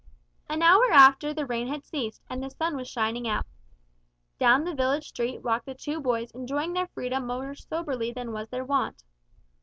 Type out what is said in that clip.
An hour after the rain had ceased, and the sun was shining out. Down the village street walked the two boys enjoying their freedom more soberly than was their wont.